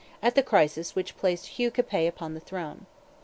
at the crisis which placed Hugh Capet upon the throne.